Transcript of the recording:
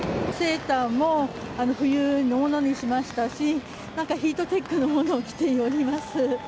セーターも冬のものにしましたし、なんか、ヒートテックのものを着ております。